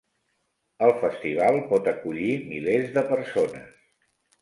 El festival pot acollir milers de persones.